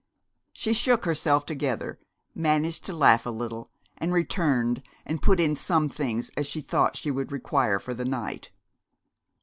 She shook herself together, managed to laugh a little, and returned and put in such things as she thought she would require for the night.